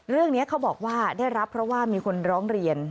เรื่องนี้เขาบอกว่าได้รับเพราะว่ามีคนร้องเรียน